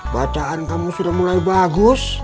bacaan kamu sudah mulai bagus